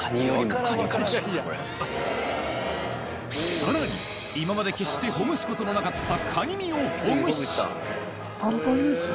さらに今まで決してほぐすことのなかったカニ身をほぐしパンパンですよ。